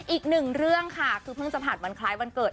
อีกหนึ่งเรื่องค่ะคือเพิ่งจะผ่านวันคล้ายวันเกิด